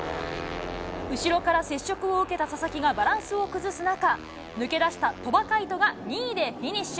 後ろから接触を受けた佐々木がバランスを崩す中、抜け出した鳥羽海渡が２位でフィニッシュ。